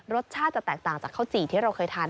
รสชาติจะแตกต่างจากข้าวจี่ที่เราเคยทาน